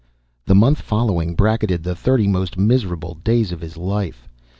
The month following bracketed the thirty most miserable days of his life.